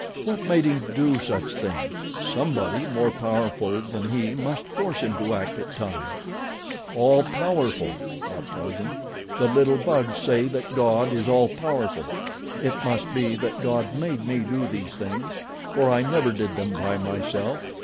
What made him do such things? Somebody more powerful than he must force him to act at times. "All powerful," thought Tarzan. "The little bugs say that God is all powerful. It must be that God made me do these things, for I never did them by myself.